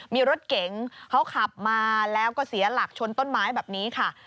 มีรถเก๋งเขาขับมาแล้วก็เสียหลักชนต้นไม้แบบนี้ค่ะ